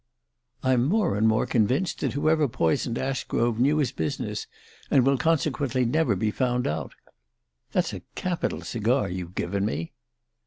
"I'm more and more convinced that whoever poisoned Ashgrove knew his business, and will consequently never be found out. That's a capital cigar you've given me."